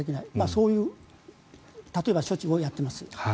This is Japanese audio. そういう例えば処置をやっています。